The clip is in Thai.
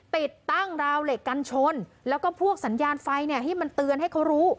ติดตั้งราวเหล็กกันชนแล้วก็พวกสัญญาณไฟเนี่ยที่มันเตือนให้เขารู้